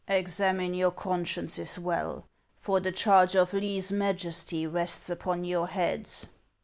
Examine your consciences well, for the charge of leze majesty rests upon your heads."